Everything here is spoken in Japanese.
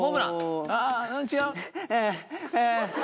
あぁ違う。